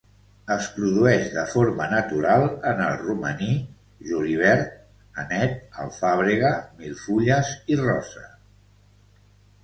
Es produeix de forma natural en el romaní, julivert, anet, alfàbrega, milfulles i rosa.